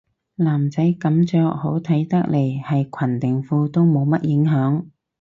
男仔噉着好睇得嚟係裙定褲都冇乜影響